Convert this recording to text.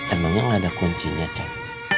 emangnya nggak ada kuncinya cek